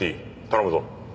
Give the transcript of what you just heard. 頼むぞ。